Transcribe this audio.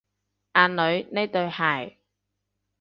阿女，呢對鞋